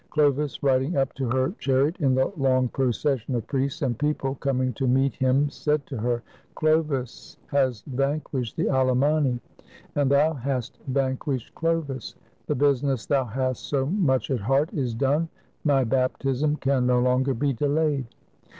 Chlovis, riding up to her chariot in the long procession of priests and people coming to meet him, said to her: — "Chlovis has vanquished the Alemanni, and thou hast vanquished Chlovis. The business thou hast so much at heart is done: my baptism can no longer be delayed."